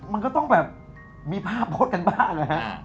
มันก็ต้องแบบมีภาพพดกันบ้าง